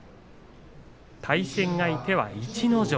対戦相手は逸ノ城